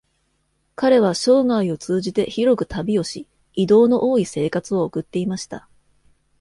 彼は生涯を通じて広く旅をし、移動の多い生活を送っていました。